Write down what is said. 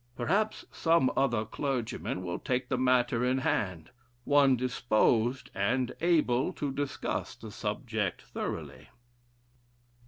Perhaps some other clergyman will take the matter in hand one disposed and able to discuss the subject thoroughly."